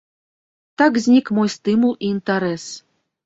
Так знік мой стымул і інтарэс.